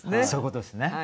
そういうことですね。